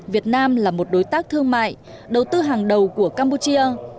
việt nam là một đối tác thương mại đầu tư hàng đầu của campuchia